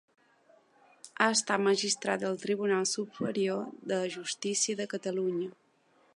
Ha estat magistrat del Tribunal Superior de Justícia de Catalunya.